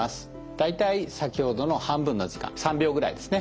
大体先ほどの半分の時間３秒ぐらいですね。